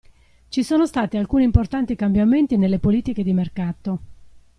Ci sono stati alcuni importanti cambiamenti nelle politiche di mercato.